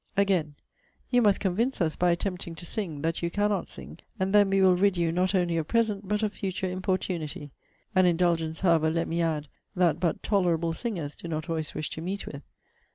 Again, 'You must convince us, by attempting to sing, that you cannot sing; and then we will rid you, not only of present, but of future importunity.' An indulgence, however, let me add, that but tolerable singers do not always wish to meet with.